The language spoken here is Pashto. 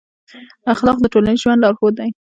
اخلاق د ټولنیز ژوند لارښود دی.